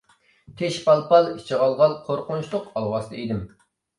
تېشى پال-پال، ئىچى غال-غال قورقۇنچلۇق ئالۋاستى ئىدىم.